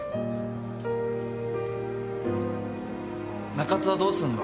中津はどうすんの？